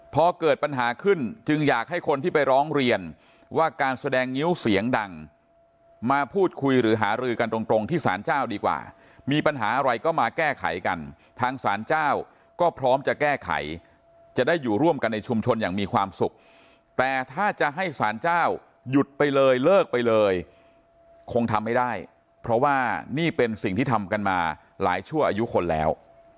พอเกิดปัญหาขึ้นจึงอยากให้คนที่ไปร้องเรียนว่าการแสดงงิ้วเสียงดังมาพูดคุยหรือหารือกันตรงตรงที่สารเจ้าดีกว่ามีปัญหาอะไรก็มาแก้ไขกันทางศาลเจ้าก็พร้อมจะแก้ไขจะได้อยู่ร่วมกันในชุมชนอย่างมีความสุขแต่ถ้าจะให้สารเจ้าหยุดไปเลยเลิกไปเลยคงทำไม่ได้เพราะว่านี่เป็นสิ่งที่ทำกันมาหลายชั่วอายุคนแล้ว